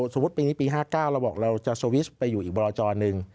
สมมุติวันนี้ปี๕๙เราบอกว่าเราจะซอวิสไปอยู่อีกบราจอนึง